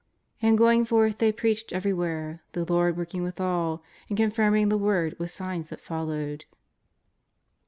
* ''And going forth they preached every where, the Lord working withal, and confirming the word with signs that followed."